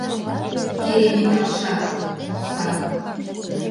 — Керемет апшат! — вурса.